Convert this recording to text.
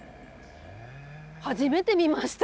初めて見ました。